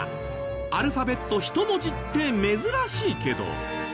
アルファベット１文字って珍しいけど。